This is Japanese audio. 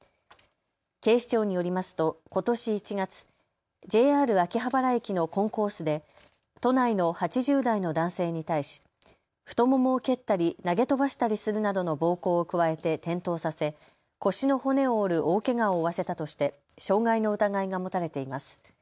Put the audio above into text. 警視庁によりますとことし１月、ＪＲ秋葉原駅のコンコースで都内の８０代の男性に対し太ももを蹴ったり投げ飛ばしたりするなどの暴行を加えて転倒させ、腰の骨を折る大けがを負わせたとして傷害の疑いが持たれています。